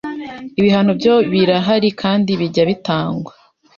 Ibihano byo birahari kandi bijya bitangwa